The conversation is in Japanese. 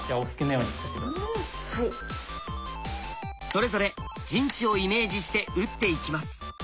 それぞれ陣地をイメージして打っていきます。